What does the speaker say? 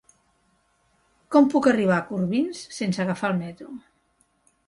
Com puc arribar a Corbins sense agafar el metro?